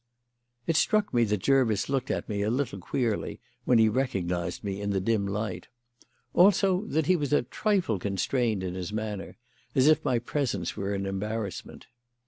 It struck me that Jervis looked at me a little queerly when he recognised me in the dim light; also that he was a trifle constrained in his manner, as if my presence were an embarrassment.